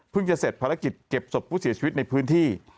จะเสร็จภารกิจเก็บศพผู้เสียชีวิตในพื้นที่